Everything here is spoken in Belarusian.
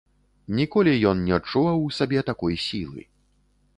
Ніколі ён не адчуваў у сабе такой сілы.